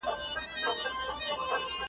نه جامې او نه څپلۍ په محله کي .